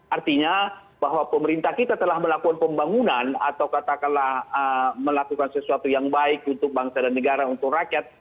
artinya bahwa pemerintah kita telah melakukan pembangunan atau katakanlah melakukan sesuatu yang baik untuk bangsa dan negara untuk rakyat